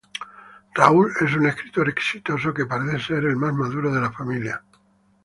Rahul es un escritor exitoso que parece ser el más maduro de la familia.